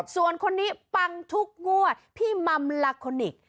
ส่วนคนนี้ปังทุกงวดพี่มัมลาโคนิค